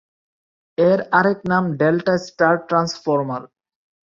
এর আরেক নাম ডেল্টা-স্টার ট্রান্সফরমার।